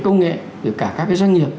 công nghệ cả các doanh nghiệp